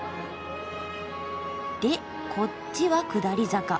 でこっちは下り坂。